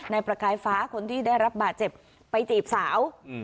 ประกายฟ้าคนที่ได้รับบาดเจ็บไปจีบสาว